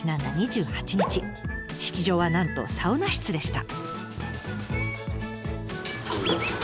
式場はなんとサウナ室でした。